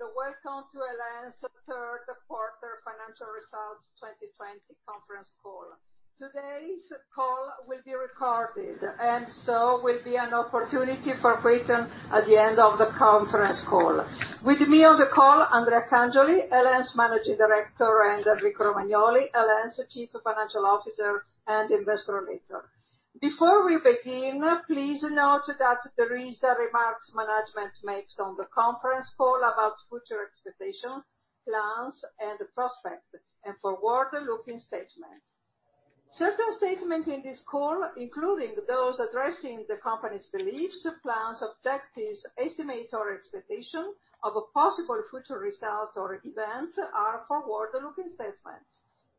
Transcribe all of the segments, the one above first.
Welcome to EL.En.'s Third Quarter Financial Results 2020 Conference Call. Today's call will be recorded and so will be an opportunity for questions at the end of the conference call. With me on the call, Andrea Cangioli, EL.En.'s Managing Director, and Enrico Romagnoli, EL.En.'s Chief Financial Officer and Investor Relations. Before we begin, please note that there is remarks management makes on the conference call about future expectations, plans, and prospects, and forward-looking statements. Certain statements in this call, including those addressing the company's beliefs, plans, objectives, estimates, or expectation of possible future results or events, are forward-looking statements.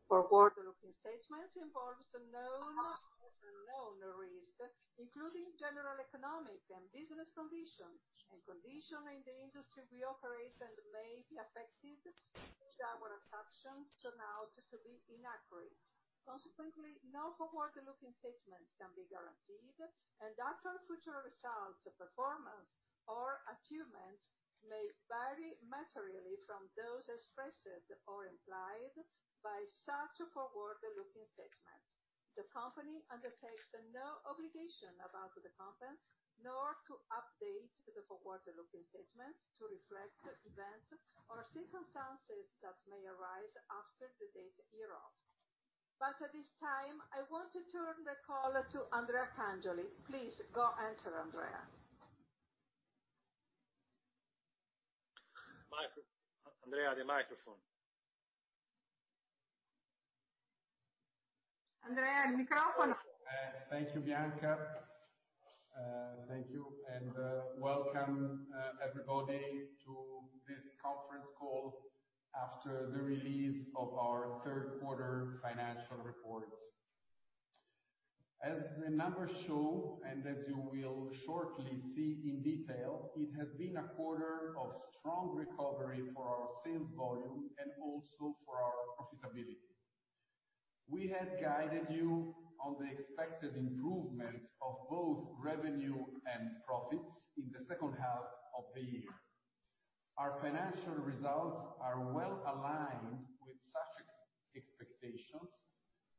Forward-looking statements involves known and unknown risks, including general economic and business conditions, and conditions in the industry we operate and may be affected, which our assumptions turn out to be inaccurate. Consequently, no forward-looking statements can be guaranteed, and actual future results, performance, or achievements may vary materially from those expressed or implied by such forward-looking statements. The company undertakes no obligation about the content, nor to update the forward-looking statements to reflect events or circumstances that may arise after the date hereof. At this time, I want to turn the call to Andrea Cangioli. Please, go ahead, Andrea. Thank you, Bianca. Thank you, and welcome everybody to this conference call after the release of our third quarter financial report. As the numbers show, and as you will shortly see in detail, it has been a quarter of strong recovery for our sales volume and also for our profitability. We had guided you on the expected improvement of both revenue and profits in the second half of the year. Our financial results are well aligned with such expectations,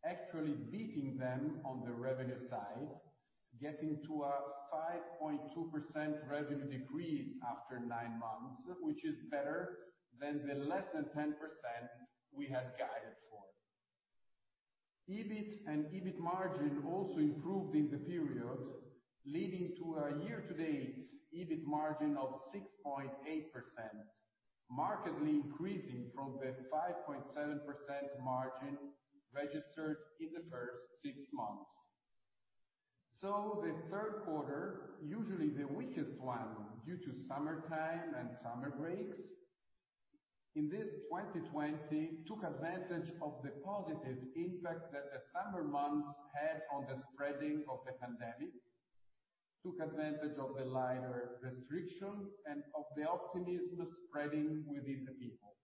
actually beating them on the revenue side, getting to a 5.2% revenue decrease after nine months, which is better than the less than 10% we had guided for. EBIT and EBIT margin also improved in the period, leading to a year-to-date EBIT margin of 6.8%, markedly increasing from the 5.7% margin registered in the first six months. The third quarter, usually the weakest one due to summertime and summer breaks, in this 2020, took advantage of the positive impact that the summer months had on the spreading of the pandemic, took advantage of the lighter restrictions, and of the optimism spreading within the people.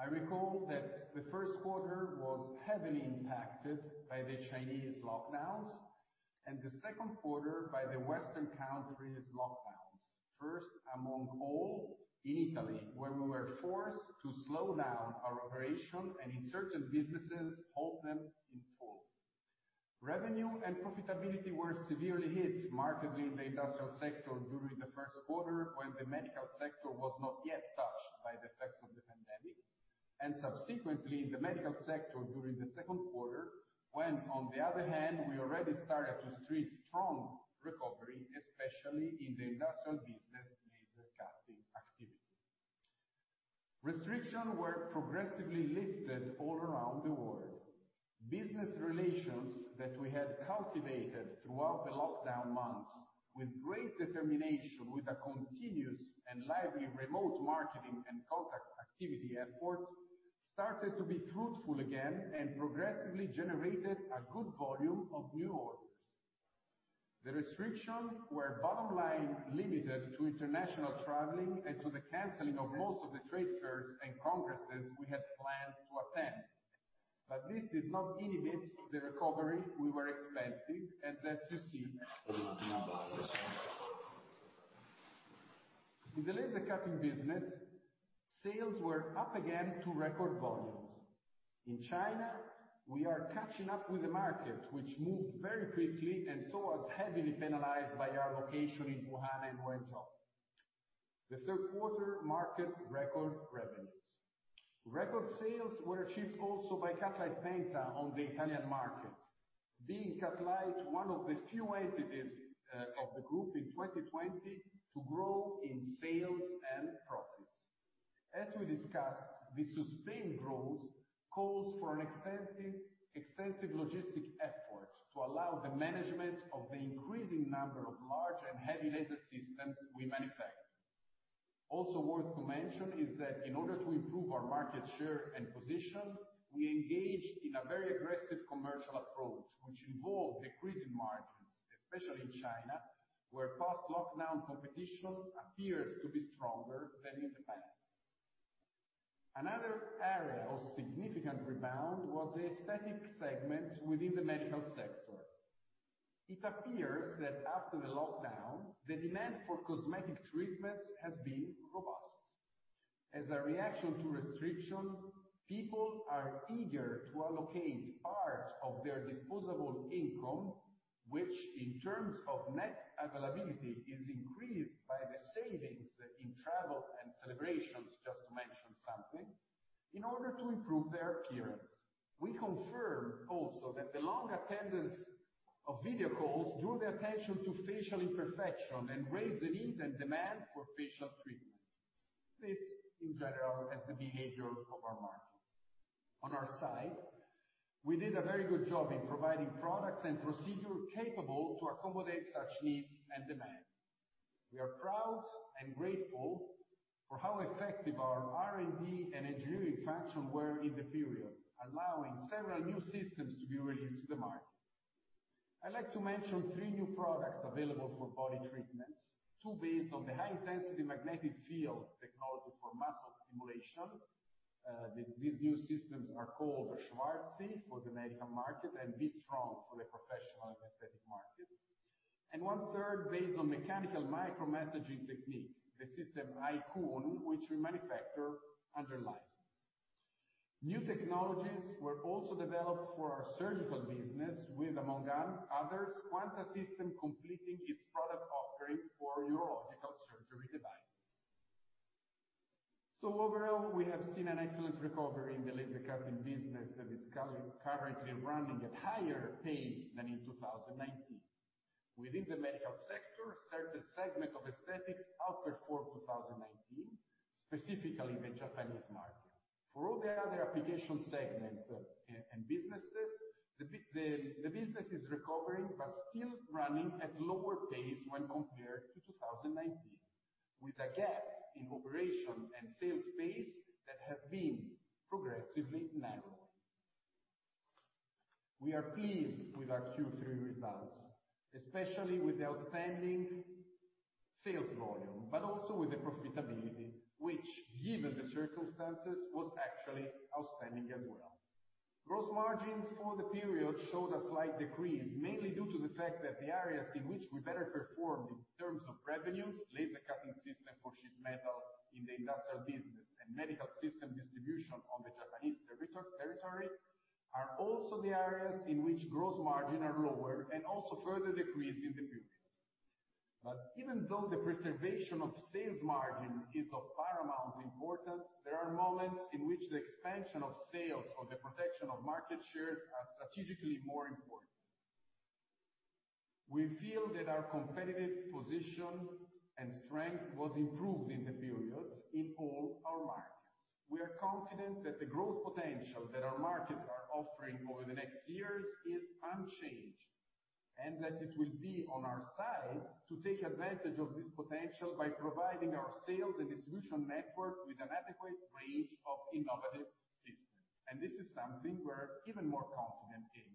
I recall that the first quarter was heavily impacted by the Chinese lockdowns, and the second quarter by the Western countries lockdowns. First, among all, in Italy, where we were forced to slow down our operation and, in certain businesses, halt them in full. Revenue and profitability were severely hit markedly in the industrial sector during the first quarter, when the medical sector was not yet touched by the effects of the pandemic, and subsequently in the medical sector during the second quarter, when, on the other hand, we already started to see strong recovery, especially in the industrial business laser cutting activity. Restrictions were progressively lifted all around the world. Business relations that we had cultivated throughout the lockdown months with great determination, with a continuous and lively remote marketing and contact activity effort, started to be fruitful again and progressively generated a good volume of new orders. The restrictions were bottom line limited to international traveling and to the canceling of most of the trade fairs and congresses we had planned to attend. This did not inhibit the recovery we were expecting and that you see now. In the laser cutting business, sales were up again to record volumes. In China, we are catching up with the market, which moved very quickly and saw us heavily penalized by our location in Wuhan and Guangzhou. The third quarter marked record revenues. Record sales were achieved also by Cutlite Penta on the Italian market, being Cutlite one of the few entities of the group in 2020 to grow in sales and profits. As we discussed, the sustained growth calls for an extensive logistic effort to allow the management of the increasing number of large and heavy laser systems we manufacture. Also worth to mention is that in order to improve our market share and position, we engaged in a very aggressive commercial approach, which involved decreasing margins, especially in China, where post-lockdown competition appears to be stronger than in the past. Another area of significant rebound was the aesthetic segment within the medical sector. It appears that after the lockdown, the demand for cosmetic treatments has been robust. As a reaction to restriction, people are eager to allocate part of their disposable income, which in terms of net availability, is increased by the savings in travel and celebrations, just to mention something, in order to improve their appearance. We confirm also that the long attendance of video calls drew the attention to facial imperfection and raised the need and demand for facial treatment. This, in general, is the behavior of our markets. On our side, we did a very good job in providing products and procedure capable to accommodate such needs and demand. We are proud and grateful for how effective our R&D and engineering function were in the period, allowing several new systems to be released to the market. I'd like to mention three new products available for body treatments. Two based on the high-intensity magnetic field technology for muscle stimulation. These new systems are called SCHWARZY for the medical market and B-Strong for the professional aesthetic market, and 1/3 based on mechanical micro-massaging technique, the system Icoone, which we manufacture under license. New technologies were also developed for our surgical business with, among others, Quanta System completing its product offering for urological surgery devices. Overall, we have seen an excellent recovery in the laser cutting business that is currently running at higher pace than in 2019. Within the medical sector, certain segment of aesthetics outperformed 2019, specifically the Japanese market. For all the other application segment and businesses, the business is recovering but still running at lower pace when compared to 2019, with a gap in operation and sales pace that has been progressively narrowing. We are pleased with our Q3 results, especially with the outstanding sales volume, but also with the profitability, which, given the circumstances, was actually outstanding as well. Gross margins for the period showed a slight decrease, mainly due to the fact that the areas in which we better performed in terms of revenues, laser cutting system for sheet metal in the industrial business, and medical system distribution on the Japanese territory, are also the areas in which gross margins are lower and also further decreased in the period. Even though the preservation of sales margin is of paramount importance, there are moments in which the expansion of sales or the protection of market shares are strategically more important. We feel that our competitive position and strength was improved in the period in all our markets. We are confident that the growth potential that our markets are offering over the next years is unchanged, and that it will be on our side to take advantage of this potential by providing our sales and distribution network with an adequate range of innovative systems. This is something we're even more confident in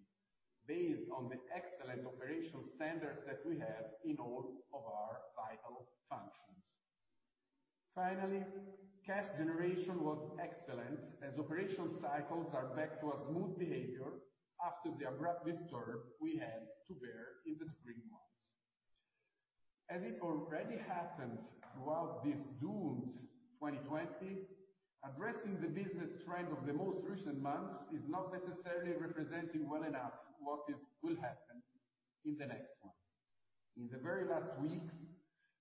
based on the excellent operational standards that we have in all of our vital functions. Finally, cash generation was excellent, as operational cycles are back to a smooth behavior after the abrupt disturb we had to bear in the spring months. As it already happened throughout this doomed 2020, addressing the business trend of the most recent months is not necessarily representing well enough what will happen in the next months. In the very last weeks,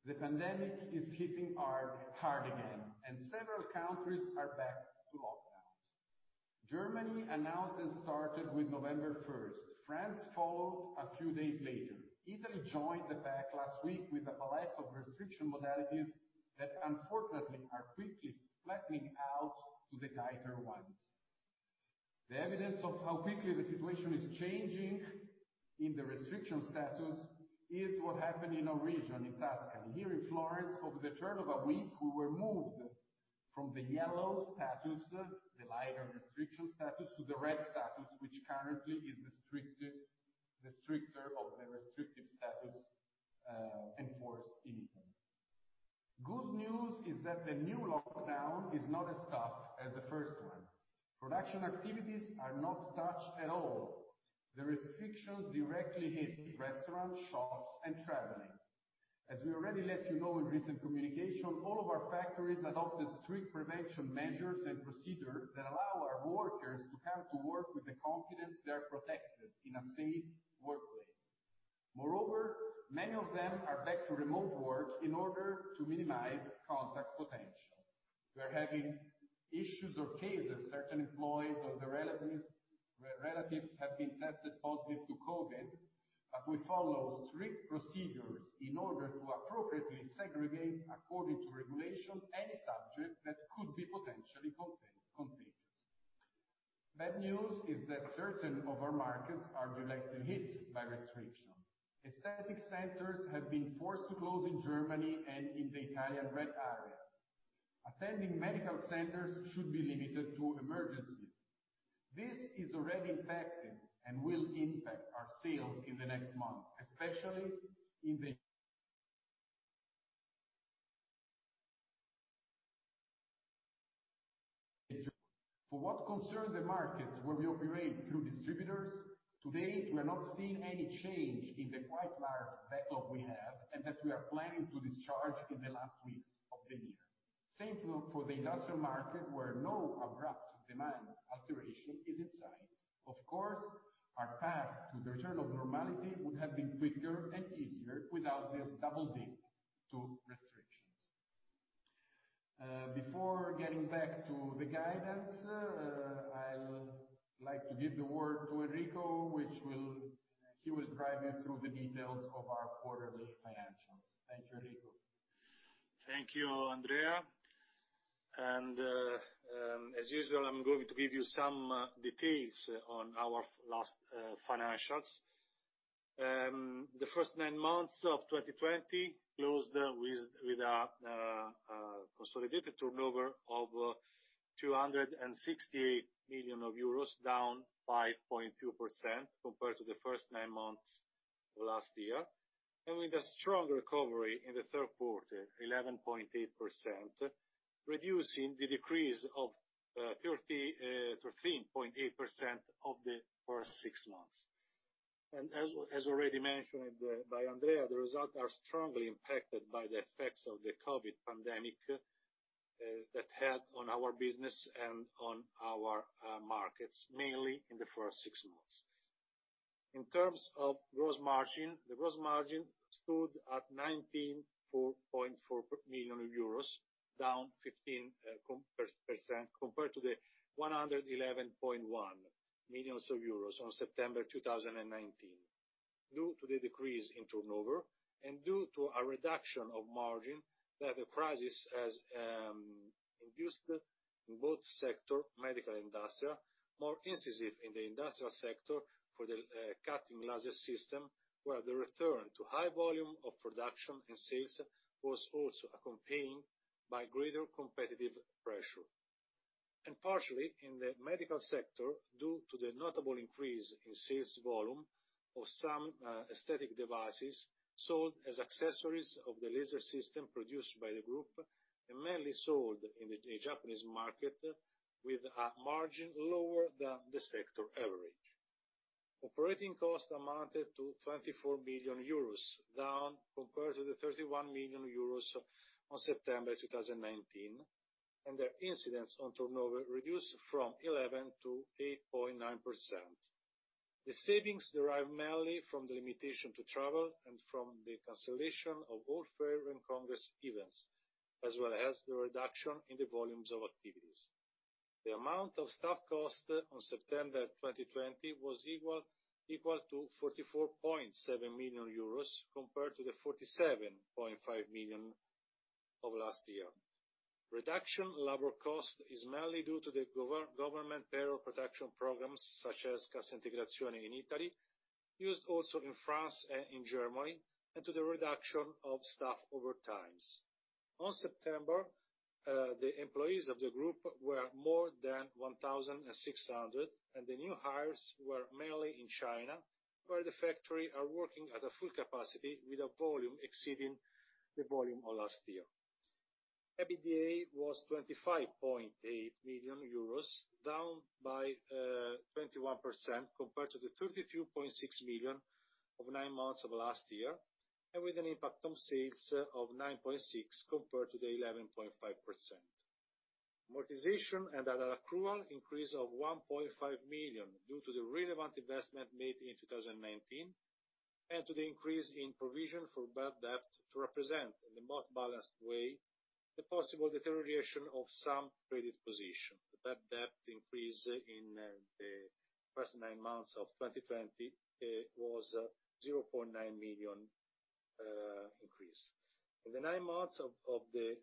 the pandemic is hitting hard again, and several countries are back to lockdowns. Germany announced and started with November 1st. France followed a few days later. Italy joined the pack last week with a palette of restriction modalities that unfortunately are quickly flattening out to the tighter ones. The evidence of how quickly the situation is changing in the restriction status is what happened in our region, in Tuscany. Here in Florence, over the turn of a week, we were moved from the yellow status, the lighter restriction status, to the red status, which currently is the stricter of the restrictive status enforced in Italy. Good news is that the new lockdown is not as tough as the first one. Production activities are not touched at all. The restrictions directly hit restaurants, shops, and traveling. As we already let you know in recent communication, all of our factories adopted strict prevention measures and procedure that allow our workers to come to work with the confidence they are protected in a safe workplace. Moreover, many of them are back to remote work in order to minimize contact potential. We're having issues or cases, certain employees or their relatives have been tested positive to COVID, but we follow strict procedures in order to appropriately segregate, according to regulation, any subject that could be potentially contagious. Bad news is that certain of our markets are directly hit by restriction. Aesthetic centers have been forced to close in Germany and in the Italian red areas. Attending medical centers should be limited to emergencies. This is already impacting and will impact our sales in the next months, especially for what concern the markets where we operate through distributors, today we are not seeing any change in the quite large backup we have, and that we are planning to discharge in the last weeks of the year. Same for the industrial market, where no abrupt demand alteration is in sight. Of course, our path to the return of normality would have been quicker and easier without this double dip to restrictions. Before getting back to the guidance, I'll like to give the word to Enrico. He will drive you through the details of our quarterly financials. Thank you, Enrico. Thank you, Andrea. As usual, I'm going to give you some details on our last financials. The first nine months of 2020 closed with a consolidated turnover of 260 million euros, down 5.2% compared to the first nine months of last year, and with a strong recovery in the third quarter, 11.8%, reducing the decrease of 13.8% of the first six months. As already mentioned by Andrea, the results are strongly impacted by the effects of the COVID pandemic that had on our business and on our markets, mainly in the first six months. In terms of gross margin, the gross margin stood at 194.4 million euros, down 15% compared to the 111.1 million euros on September 2019, due to the decrease in turnover and due to a reduction of margin that the crisis has induced in both sectors, medical, industrial, more incisive in the industrial sector for the cutting laser system, where the return to high volume of production and sales was also accompanied by greater competitive pressure. Partially in the medical sector, due to the notable increase in sales volume of some aesthetic devices sold as accessories of the laser system produced by the group and mainly sold in the Japanese market with a margin lower than the sector average. Operating costs amounted to 24 million euros, down compared to the 31 million euros on September 2019, Their incidence on turnover reduced from 11% to 8.9%. The savings derive mainly from the limitation to travel and from the cancellation of all fair and congress events, as well as the reduction in the volumes of activities. The amount of staff cost on September 2020 was equal to 44.7 million euros compared to the 47.5 million of last year. Reduction labor cost is mainly due to the government payroll protection programs such as Cassa Integrazione in Italy, used also in France and in Germany, and to the reduction of staff overtimes. On September, the employees of the group were more than 1,600, and the new hires were mainly in China, where the factory are working at a full capacity with a volume exceeding the volume of last year. EBITDA was 25.8 million euros, down by 21% compared to the 33.6 million of nine months of last year, and with an impact on sales of 9.6% compared to the 11.5%. Amortization and other accrual increase of 1.5 million due to the relevant investment made in 2019 and to the increase in provision for bad debt to represent, in the most balanced way, the possible deterioration of some credit position. The bad debt increase in the first nine months of 2020 was 0.9 million increase. In the nine months of the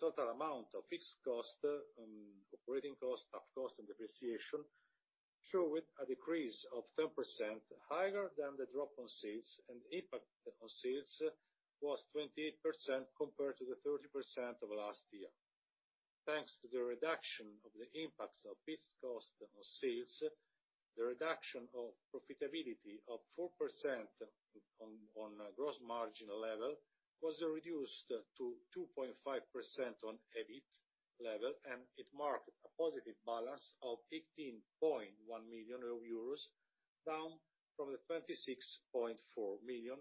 total amount of fixed cost, operating cost, staff cost, and depreciation, show with a decrease of 10% higher than the drop on sales. The impact on sales was 28% compared to the 30% of last year. Thanks to the reduction of the impacts of fixed cost on sales, the reduction of profitability of 4% on gross margin level was reduced to 2.5% on EBIT level, it marked a positive balance of 15.1 million euros, down from the 26.4 million,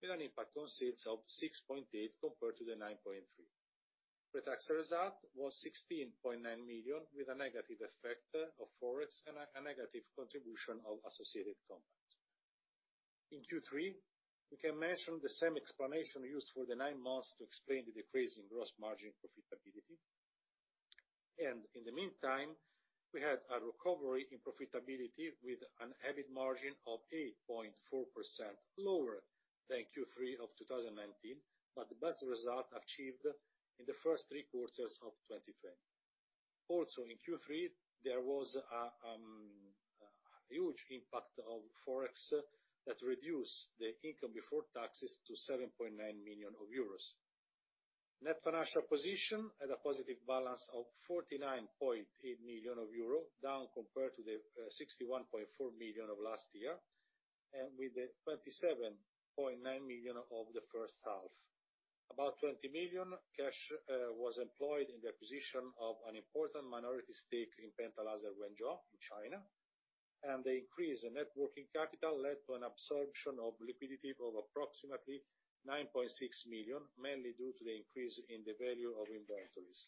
with an impact on sales of 6.8% compared to the 9.3%. Pretax result was 16.9 million with a negative effect of Forex and a negative contribution of associated companies. In Q3, we can mention the same explanation used for the nine months to explain the decrease in gross margin profitability. In the meantime, we had a recovery in profitability with an EBIT margin of 8.4%, lower than Q3 of 2019, but the best result achieved in the first three quarters of 2020. Also in Q3, there was a huge impact of Forex that reduced the income before taxes to 7.9 million euros. Net financial position had a positive balance of 49.8 million euro, down compared to 61.4 million of last year, and with 27.9 million of the first half. About 20 million cash was employed in the acquisition of an important minority stake in Penta Laser Wenzhou in China, and the increase in net working capital led to an absorption of liquidity of approximately 9.6 million, mainly due to the increase in the value of inventories.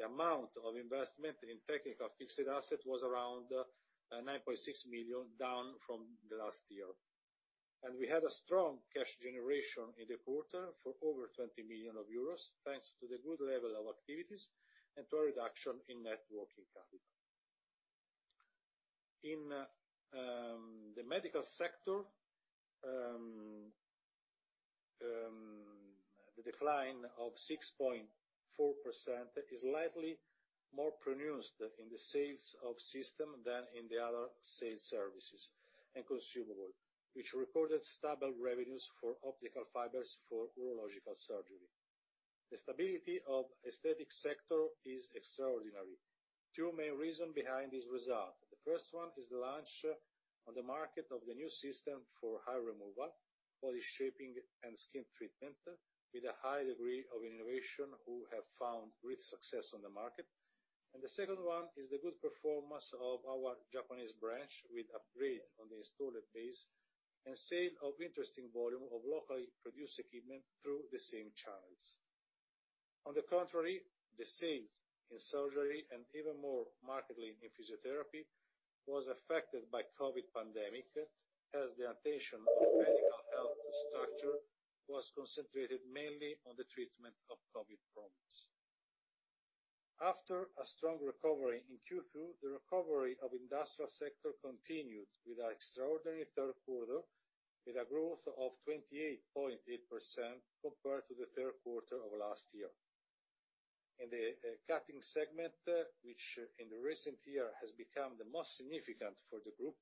The amount of investment in technical fixed asset was around 9.6 million, down from the last year. We had a strong cash generation in the quarter for over 20 million euros, thanks to the good level of activities and to a reduction in net working capital. In the medical sector, the decline of 6.4% is slightly more pronounced in the sales of system than in the other sales services and consumable, which recorded stable revenues for optical fibers for urological surgery. The stability of aesthetic sector is extraordinary. Two main reason behind this result. The first one is the launch on the market of the new system for hair removal, body shaping, and skin treatment, with a high degree of innovation, who have found great success on the market. The second one is the good performance of our Japanese branch, with upgrade on the installed base, and sale of interesting volume of locally produced equipment through the same channels. On the contrary, the sales in surgery, and even more markedly in physiotherapy, was affected by COVID pandemic, as the attention of medical health structure was concentrated mainly on the treatment of COVID problems. After a strong recovery in Q2, the recovery of industrial sector continued with an extraordinary third quarter, with a growth of 28.8% compared to the third quarter of last year. In the cutting segment, which in the recent year has become the most significant for the group,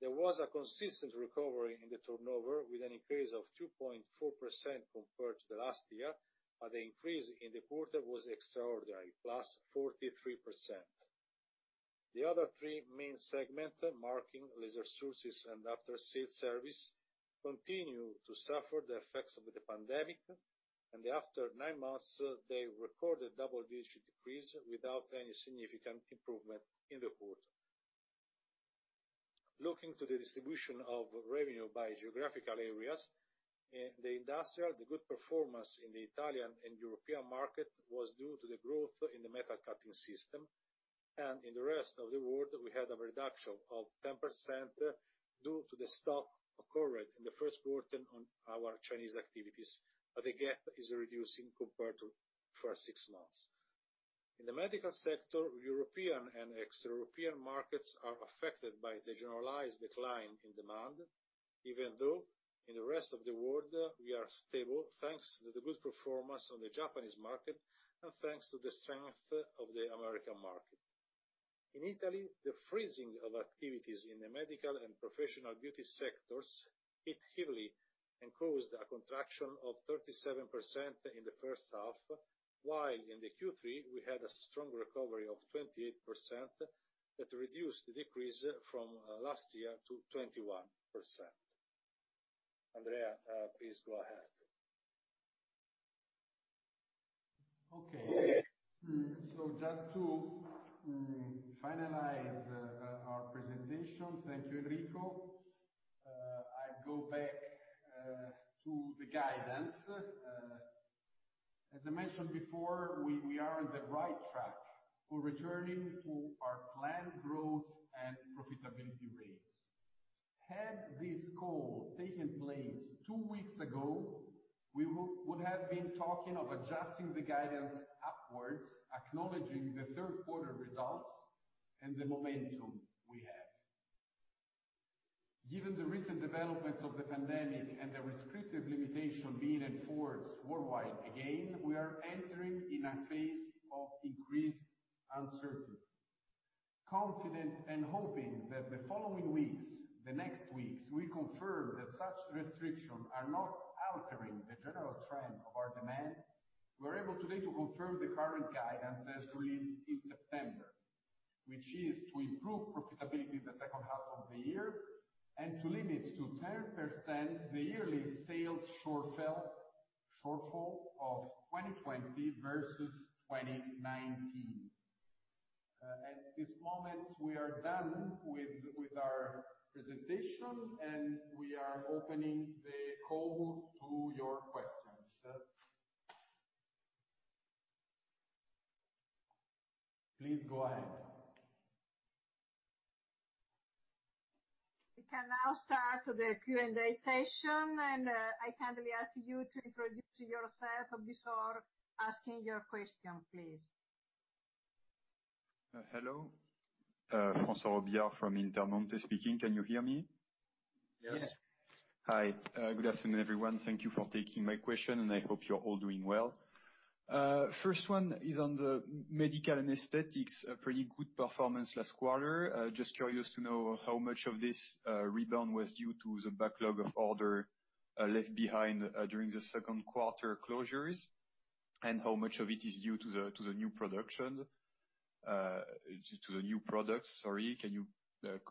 there was a consistent recovery in the turnover with an increase of 2.4% compared to the last year, but the increase in the quarter was extraordinary, +43%. The other three main segment, marking laser sources and after sales service, continue to suffer the effects of the pandemic. After nine months, they recorded double-digit decrease without any significant improvement in the quarter. Looking to the distribution of revenue by geographical areas, in the industrial, the good performance in the Italian and European market was due to the growth in the metal cutting system. In the rest of the world, we had a reduction of 10% due to the stock occurred in the first quarter on our Chinese activities, but the gap is reducing compared to first six months. In the medical sector, European and extra-European markets are affected by the generalized decline in demand, even though in the rest of the world, we are stable thanks to the good performance on the Japanese market and thanks to the strength of the American market. In Italy, the freezing of activities in the medical and professional beauty sectors hit heavily and caused a contraction of 37% in the first half, while in the Q3, we had a strong recovery of 28% that reduced the decrease from last year to 21%. Andrea, please go ahead. Just to finalize our presentation. Thank you, Enrico. I go back to the guidance. As I mentioned before, we are on the right track. We are returning to our planned growth and profitability rates. Had this call taken place two weeks ago, we would have been talking of adjusting the guidance upwards, acknowledging the third quarter results and the momentum we have. Given the recent developments of the pandemic and the restrictive limitation being enforced worldwide again, we are entering in a phase of increased uncertainty. Confident and hoping that the following weeks, the next weeks, will confirm that such restrictions are not altering the general trend of our demand, we are able today to confirm the current guidance as released in September, which is to improve profitability in the second half of the year and to limit to 10% the yearly sales shortfall of 2020 versus 2019. At this moment, we are done with our presentation. We are opening the call to your questions. Please go ahead. We can now start the Q&A session, and I kindly ask you to introduce yourself before asking your question, please. Hello. François Robillard from Intermonte speaking. Can you hear me? Yes. Yes. Hi. Good afternoon, everyone. Thank you for taking my question, and I hope you're all doing well. First one is on the medical aesthetics. Pretty good performance last quarter. Just curious to know how much of this rebound was due to the backlog of order left behind during the second quarter closures, and how much of it is due to the new products.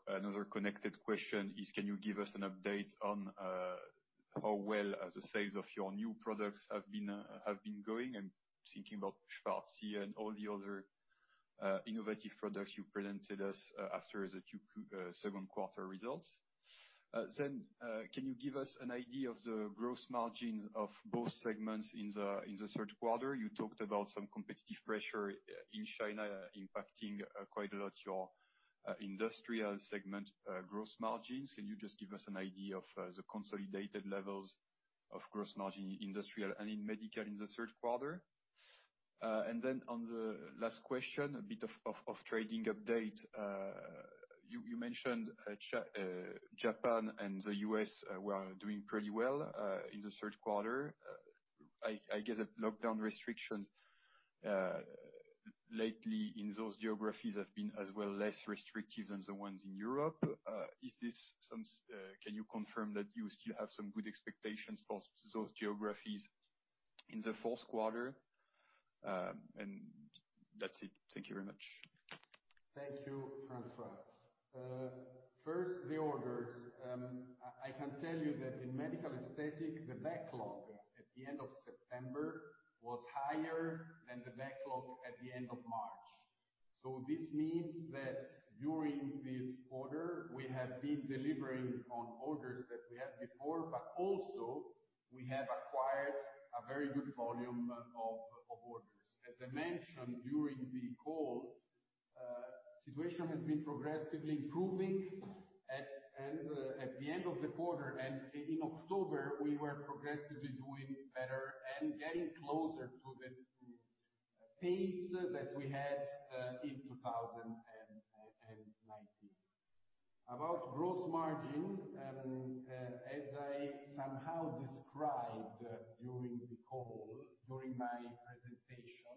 Another connected question is, can you give us an update on how well the sales of your new products have been going? I'm thinking about SCHWARZY and all the other innovative products you presented us after the second quarter results. Can you give us an idea of the gross margins of both segments in the third quarter? You talked about some competitive pressure in China impacting quite a lot your industrial segment gross margins. Can you just give us an idea of the consolidated levels of gross margin industrial and in medical in the third quarter? On the last question, a bit of trading update. You mentioned Japan and the U.S. were doing pretty well, in the third quarter. I guess that lockdown restrictions lately in those geographies have been as well less restrictive than the ones in Europe. Can you confirm that you still have some good expectations for those geographies in the fourth quarter? That's it. Thank you very much. Thank you, François. First, the orders. I can tell you that in medical aesthetics, the backlog at the end of September was higher than the backlog at the end of March. This means that during this quarter, we have been delivering on orders that we had before, but also we have acquired a very good volume of orders. As I mentioned during the call, situation has been progressively improving at the end of the quarter, and in October, we were progressively doing better and getting closer to the pace that we had, in 2019. About gross margin, as I somehow described during the call, during my presentation,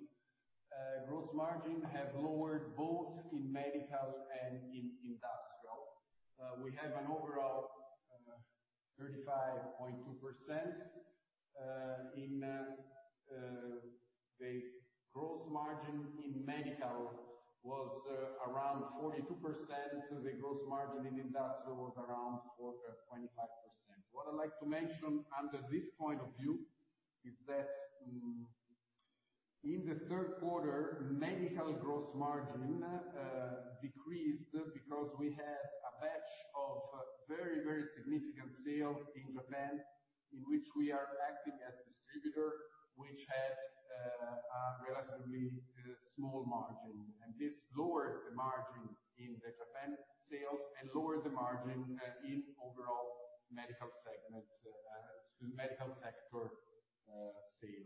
gross margin have lowered both in medical and in industrial. We have an overall 35.2%. The gross margin in medical was around 42%. The gross margin in industrial was around 25%. What I'd like to mention under this point of view is that in the third quarter, medical gross margin decreased because we had a batch of very significant sales in Japan, in which we are acting as distributor, which had a relatively small margin. This lowered the margin in the Japan sales and lowered the margin in overall medical sector sales.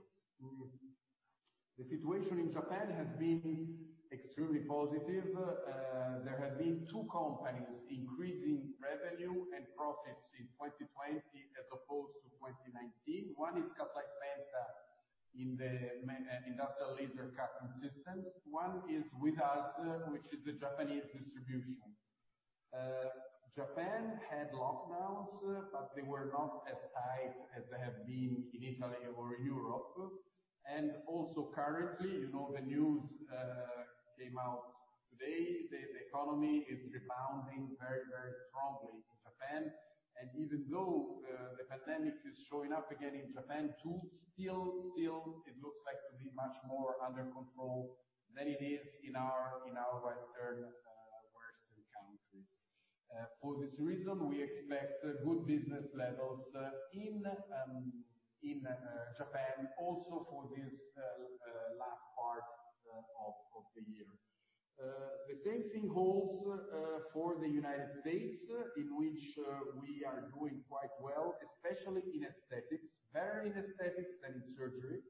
The situation in Japan has been extremely positive. There have been two companies increasing revenue and profits in 2020 as opposed to 2019. One is in the industrial laser cutting systems. One is with us, which is the Japanese distribution. Japan had lockdowns, but they were not as tight as they have been in Italy or Europe. Also currently, the news came out today, the economy is rebounding very, very strongly in Japan. Even though the pandemic is showing up again in Japan, too, still it looks like to be much more under control than it is in our Western countries. For this reason, we expect good business levels in Japan also for this last part of the year. The same thing holds for the United States, in which we are doing quite well, especially in aesthetics. Very in aesthetics and in surgery.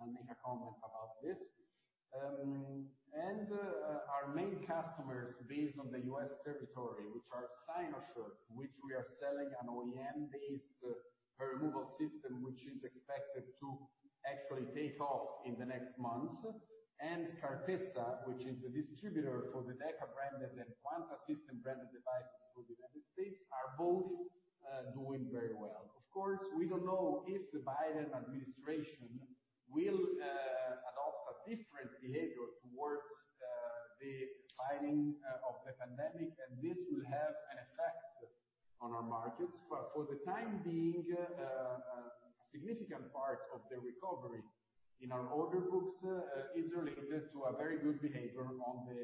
I'll make a comment about this. Our main customers based on the U.S. territory, which are Cynosure, which we are selling an OEM-based hair removal system, which is expected to actually take off in the next months, and Cartessa, which is the distributor for the DEKA-branded and Quanta System branded devices for the United States, are both doing very well. Of course, we don't know if the Biden administration will adopt a different behavior towards the fighting of the pandemic, and this will have an effect on our margins. For the time being, a significant part of the recovery in our order books is related to a very good behavior on the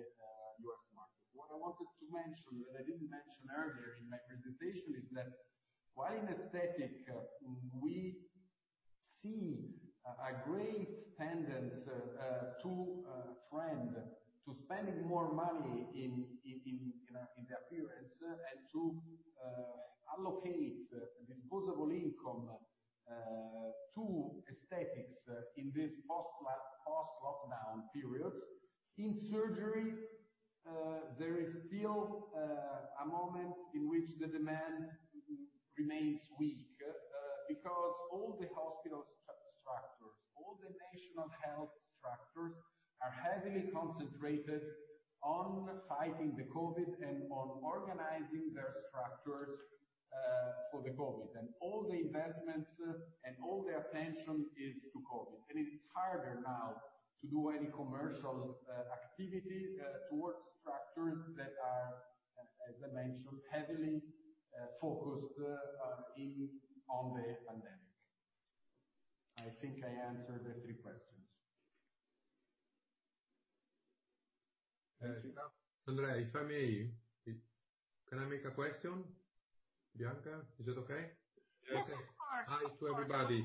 U.S. market. What I wanted to mention that I didn't mention earlier in my presentation is that while in aesthetic, we see a great tendency to trend to spending more money in the appearance and to allocate disposable income to aesthetics in this post-lockdown period. In surgery, there is still a moment in which the demand remains weak, because all the hospital structures, all the national health structures, are heavily concentrated on fighting the COVID and on organizing their structures for the COVID. All the investments and all the attention is to COVID, and it's harder now to do any commercial activity towards structures that are, as I mentioned, heavily focused in on the pandemic. I think I answered the three questions. Andrea, if I may, can I make a question? Bianca, is that okay? Yes, of course. Hi to everybody.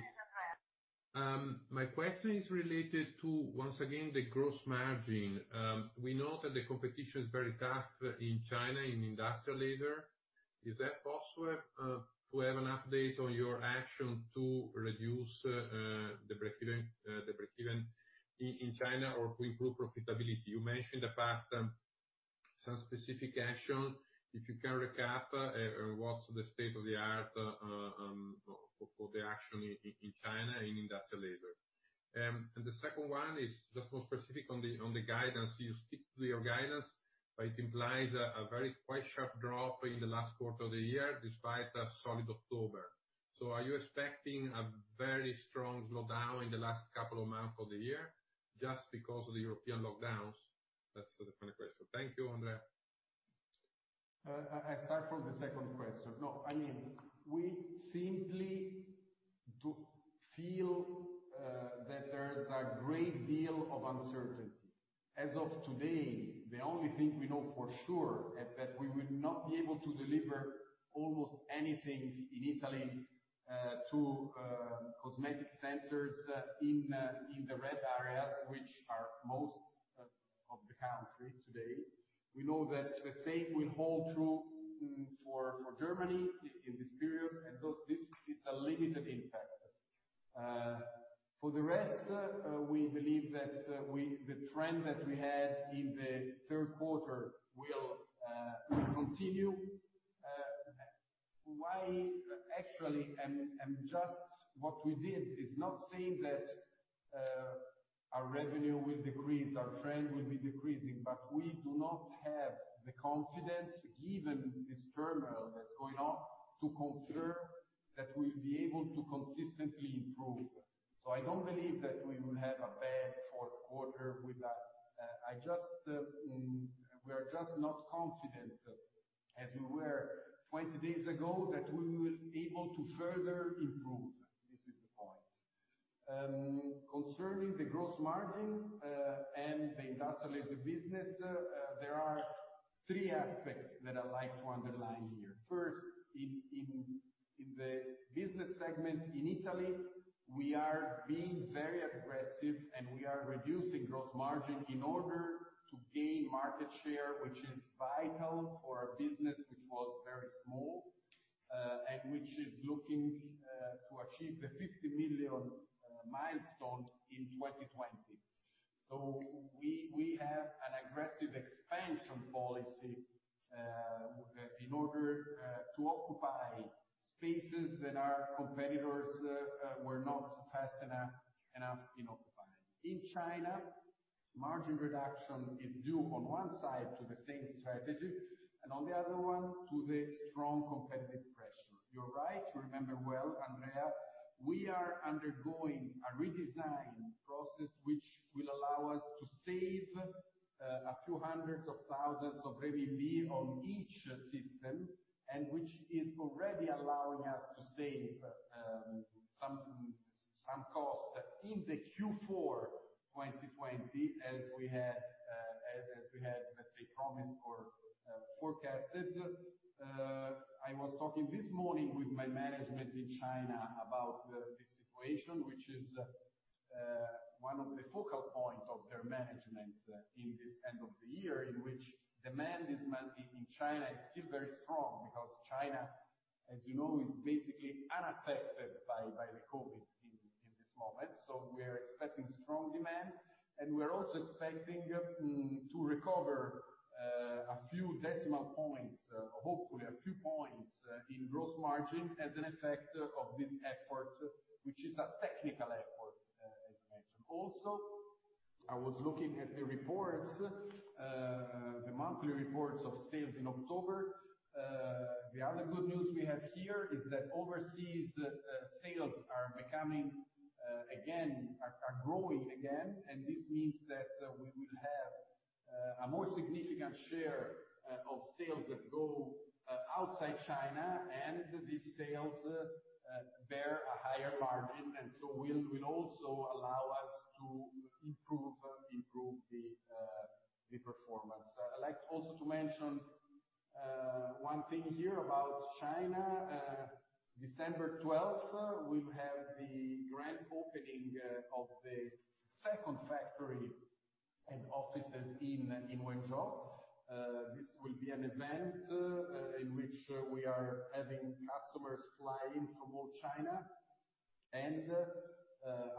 My question is related to, once again, the gross margin. We know that the competition is very tough in China, in industrial laser. Is that possible to have an update on your action to reduce the breakeven in China or to improve profitability? You mentioned in the past some specific action. If you can recap what's the state of the art for the action in China in industrial laser. The second one is just more specific on the guidance. You stick to your guidance, but it implies a very quite sharp drop in the last quarter of the year, despite a solid October. Are you expecting a very strong slowdown in the last couple of months of the year just because of the European lockdowns? That's the final question. Thank you, Andrea. I start from the second question. No, we simply feel that there's a great deal of uncertainty. As of today, the only thing we know for sure is that we will not be able to deliver almost anything in Italy to cosmetic centers in the red areas, which are most of the country today. We know that the same will hold true for Germany in this period, thus this is a limited impact. For the rest, we believe that the trend that we had in the third quarter will continue. Actually, what we did is not saying that our revenue will decrease, our trend will be decreasing, but we do not have the confidence, given this turmoil that's going on, to consider that we'll be able to consistently improve. I don't believe that we will have a bad fourth quarter. We are just not confident as we were 20 days ago, that we will be able to further improve. This is the point. Concerning the gross margin and the industrial laser business, there are three aspects that I like to underline here. First, in the business segment in Italy, we are being very aggressive, and we are reducing gross margin in order to gain market share, which is vital for a business which was very small, and which is looking to achieve the 50 million milestone in 2020. We have an aggressive expansion policy in order to occupy spaces that our competitors were not fast enough in occupying. In China, margin reduction is due, on one side, to the same strategy, and on the other one, to the strong competitive pressure. We are undergoing a redesign process, which will allow us to save a few hundreds of thousands of renminbi on each system, and which is already allowing us to save some cost in the Q4 2020, as we had, let's say, promised or forecasted. I was talking this morning with my management in China about this situation, which is one of the focal points of their management in this end of the year, in which demand this month in China is still very strong because China, as you know, is basically unaffected by the COVID in this moment. We are expecting strong demand, and we're also expecting to recover a few decimal points, hopefully a few points, in gross margin as an effect of this effort, which is a technical effort, as mentioned. Also, I was looking at the monthly reports of sales in October. The other good news we have here is that overseas sales are growing again, and this means that we will have a more significant share of sales that go outside China, and these sales bear a higher margin. Will also allow us to improve the performance. I'd like also to mention one thing here about China. December 12th, we will have the grand opening of the second factory and offices in Wenzhou. This will be an event in which we are having customers fly in from all China.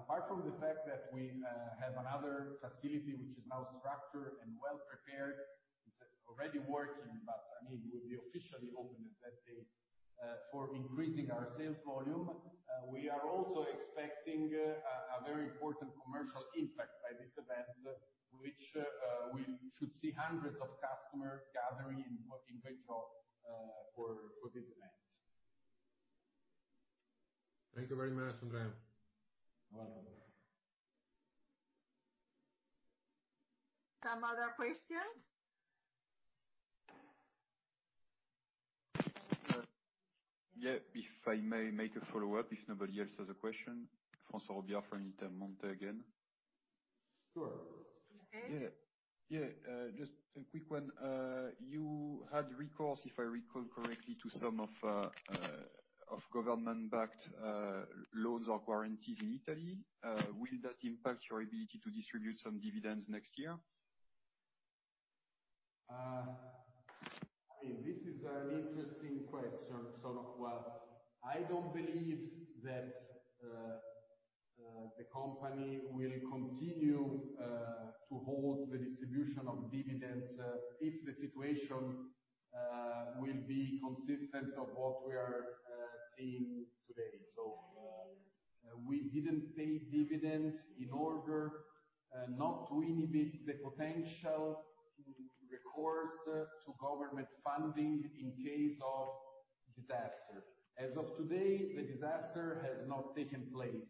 Apart from the fact that we have another facility, which is now structured and well prepared, it's already working, but it will be officially opened that day, for increasing our sales volume. We are also expecting a very important commercial impact by this event, which we should see hundreds of customers gathering in Wenzhou for this event. Thank you very much, Andrea. You are welcome. Some other questions? Yeah, if I may make a follow-up, if nobody else has a question. François Robillard from Intermonte again. Sure. Okay. Yeah. Just a quick one. You had recourse, if I recall correctly, to some of government-backed loans or guarantees in Italy. Will that impact your ability to distribute some dividends next year? This is an interesting question. I don't believe that the company will continue to hold the distribution of dividends if the situation will be consistent of what we are seeing today. We didn't pay dividends in order not to inhibit the potential to recourse to government funding in case of disaster. As of today, the disaster has not taken place.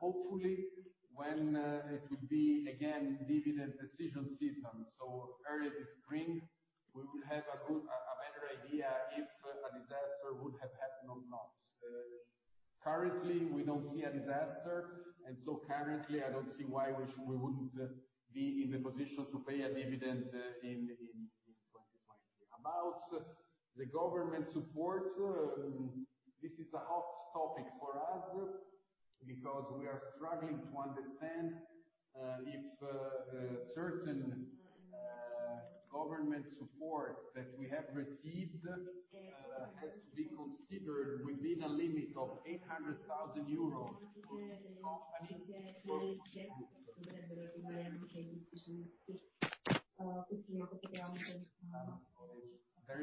Hopefully, when it will be again dividend decision season, so early spring, we will have a better idea if a disaster would have happened or not. Currently, we don't see a disaster, and so currently, I don't see why we wouldn't be in the position to pay a dividend in 2020. About the government support, this is a hot topic for us because we are struggling to understand if certain government support that we have received has to be considered within a limit of 800,000 euros for each company. Okay. I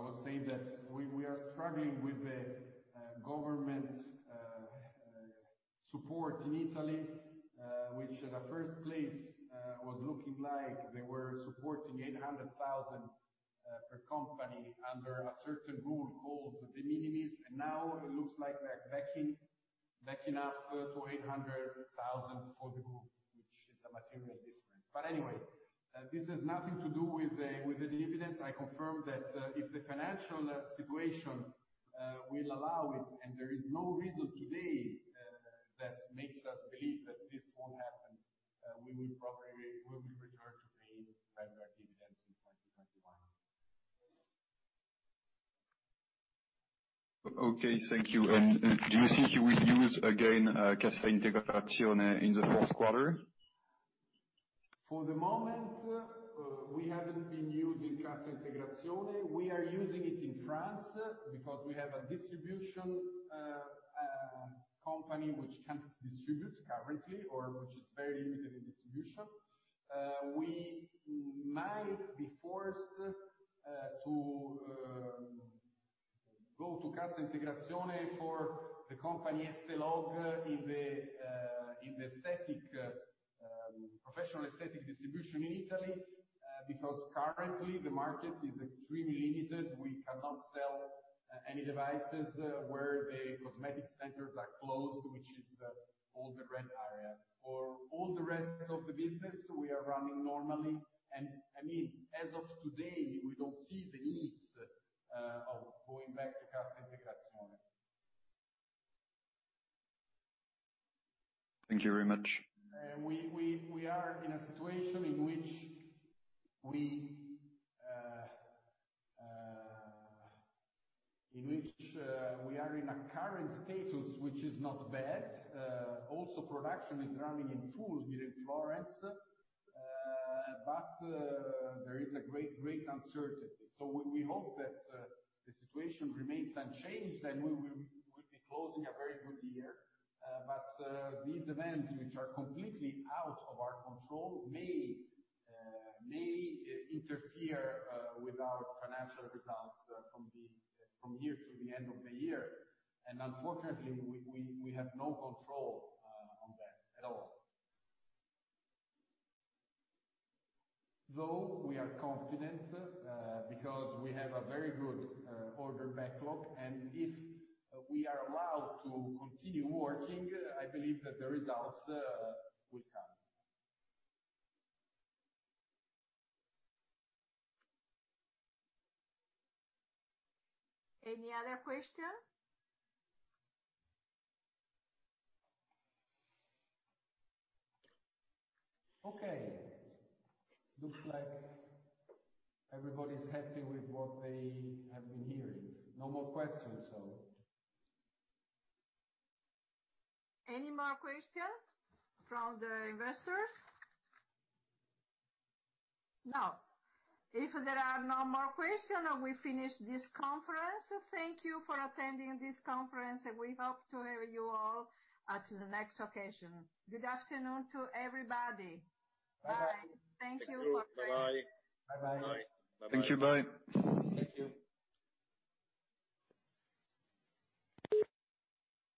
would say that we are struggling with the government support in Italy, which in the first place, was looking like they were supporting 800,000 per company under a certain rule called de minimis. Now it looks like they're backing up to 800,000 for the group, which is a material difference. Anyway, this has nothing to do with the dividends. I confirm that if the financial situation will allow it, and there is no reason today that makes us believe that this won't happen, we will probably return to paying regular dividends in 2021. Okay, thank you. Do you think you will use, again, Cassa Integrazione in the fourth quarter? For the moment, we haven't been using Cassa Integrazione. We are using it in France because we have a distribution company which can't distribute currently or which is very limited in distribution. We might be forced to go to Cassa Integrazione for the company Esthelogue in the professional aesthetic distribution in Italy, because currently the market is extremely limited. We cannot sell any devices where the cosmetic centers are closed, which is all the red areas. For all the rest of the business, we are running normally. As of today, we don't see the needs of going back to Cassa Integrazione. Thank you very much. We are in a situation in which we are in a current status, which is not bad. Also production is running in full here in Florence. There is a great uncertainty. We hope that the situation remains unchanged, then we will be closing a very good year. These events, which are completely out of our control, may interfere with our financial results from here to the end of the year. Unfortunately, we have no control on that at all. We are confident because we have a very good order backlog, and if we are allowed to continue working, I believe that the results will come. Any other questions? Okay. Looks like everybody's happy with what they have been hearing. No more questions. Any more questions from the investors? No. If there are no more questions, we finish this conference. Thank you for attending this conference, and we hope to hear you all at the next occasion. Good afternoon to everybody. Bye. Thank you. Thank you. Bye-bye. Bye-bye.